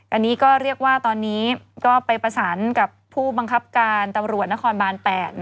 อันนี้ก็เรียกว่าตอนนี้ก็ไปประสานกับผู้บังคับการตำรวจนครบาน๘